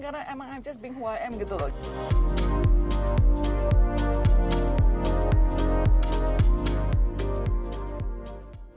karena memang saya yang jadi siapa